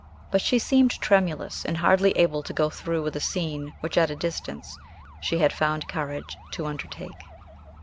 But she seemed tremulous, and hardly able to go through with a scene which at a distance she had found courage to undertake.